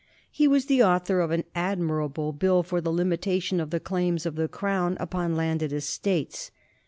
He was the author of an admirable Bill for the Limitation of the Claims of the Crown upon Landed Estates.